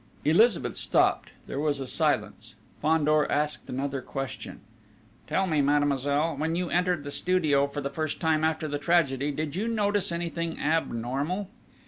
Elizabeth stopped. There was a silence. Fandor asked another question: "Tell me, mademoiselle, when you entered the studio for the first time after the tragedy, did you notice anything abnormal?"